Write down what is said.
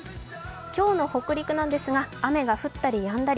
今日の北陸なんですが、雨が降ったりやんだり。